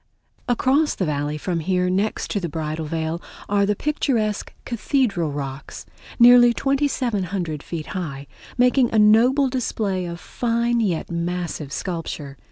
Across the Valley from here, next to the Bridal Veil, are the picturesque Cathedral Rocks, nearly 2700 feet high, making a noble display of fine yet massive sculpture.